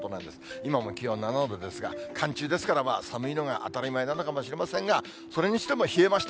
今も気温７度ですから、寒中ですから、寒いのが当たり前なのかもしれませんが、それにしても冷えました。